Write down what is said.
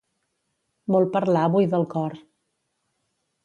Molt parlar buida el cor.